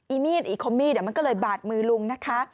มีดอีคมมีดมันก็เลยบาดมือลุงนะคะ